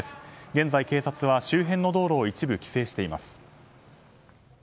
現在、警察は周辺の道路を一部規制しています。